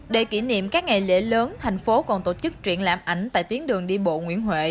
để kỷ niệm các ngày lễ lớn thành phố còn tổ chức triển lãm ảnh tại tuyến đường đi bộ nguyễn huệ